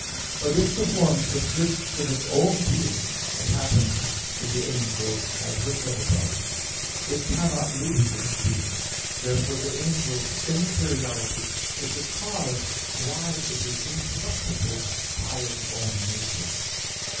But if the form subsists in its own being, as happens in the angels, as was said above (A. 2), it cannot lose its being. Therefore, the angel's immateriality is the cause why it is incorruptible by its own nature.